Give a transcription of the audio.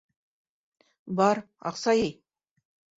Бар, аҡса йый.